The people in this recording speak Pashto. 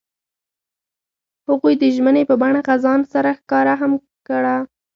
هغوی د ژمنې په بڼه خزان سره ښکاره هم کړه.